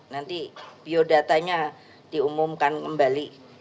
nanti biodatanya diumumkan kembali